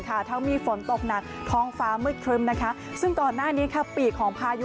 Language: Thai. ค่ะเขามีฝนตกหนักทองฟ้ามืดครึ่มนะคะซึ่งตอนหน้านี้ค่ะปีก